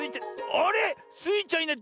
あれ⁉スイちゃんいない。